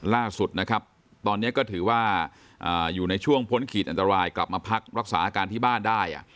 ล่าสุดนะครับตอนนี้ก็ถือว่าอยู่ในช่วงพ้นขีดอันตรายกลับมาพักรักษาอาการที่บ้านได้